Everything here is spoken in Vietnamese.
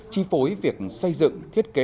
chi phối việc xây dựng thiết kế